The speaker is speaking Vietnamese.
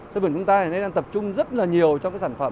thế vừa chúng ta đang tập trung rất là nhiều trong sản phẩm